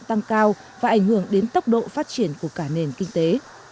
tăng cao và ảnh hưởng đến tốc độ phát triển của cả nền kinh tế